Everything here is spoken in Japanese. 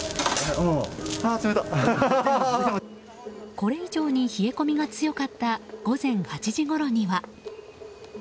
これ以上に冷え込みが強かった午前８時ごろには。